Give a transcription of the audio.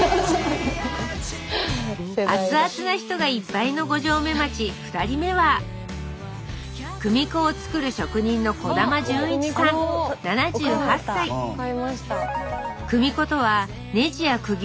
熱々な人がいっぱいの五城目町２人目は組子を作る職人の技術のこと例えば障子のこの部分。